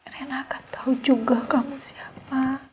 rena akan tahu juga kamu siapa